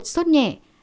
một suốt nhẹ